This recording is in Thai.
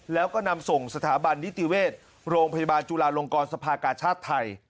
แล้วก็นำส่งสถาบันนิติเวชโรงพยาบาลจุลาลงกรสภากาชาติไทย